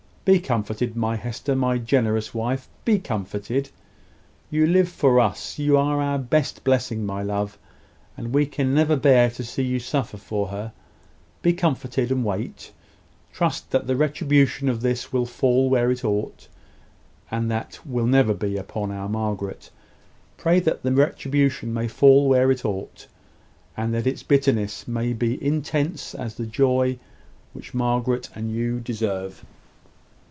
"Be comforted, my Hester my generous wife, be comforted. You live for us you are our best blessing, my love, and we can never bear to see you suffer for her. Be comforted, and wait. Trust that the retribution of this will fall where it ought; and that will never be upon our Margaret. Pray that the retribution may fall where it ought, and that its bitterness may be intense as the joy which Margaret and you deserve."